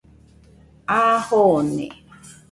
A jone